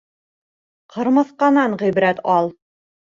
Ҡырмыҫҡанан ғибәрәт ал: